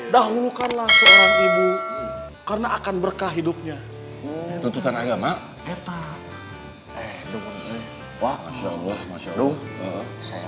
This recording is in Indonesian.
dahulukanlah seorang ibu karena akan berkah hidupnya tuntutan agama